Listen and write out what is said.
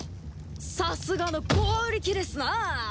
さすがの強力ですなあ！